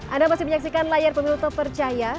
anda masih menyaksikan layar pemilu terpercaya